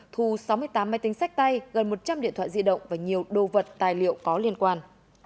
thu sáu mươi tám máy tính sách tay gần một trăm linh điện thoại di động và nhiều đồ vật tài liệu có liên quan